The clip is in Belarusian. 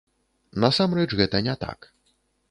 Насамрэч гэта не так.